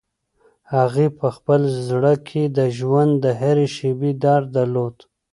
هغې په خپل زړه کې د ژوند د هرې شېبې درد درلود.